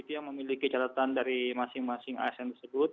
yang memiliki catatan dari masing masing asn tersebut